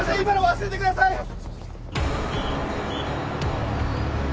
今の忘れてください。